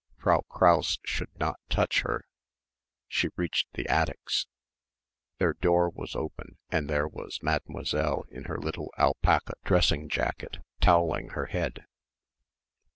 Frau Krause should not touch her. She reached the attics. Their door was open and there was Mademoiselle in her little alpaca dressing jacket, towelling her head.